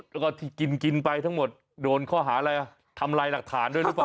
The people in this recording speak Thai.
แล้วก็ที่กินกินไปทั้งหมดโดนข้อหาอะไรทำลายหลักฐานด้วยหรือเปล่า